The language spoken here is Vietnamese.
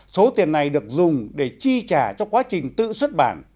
số tiền này được dùng để chi trả cho quá trình tự xuất bản